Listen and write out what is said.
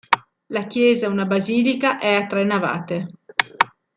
La chiesa una basilica è a tre navate.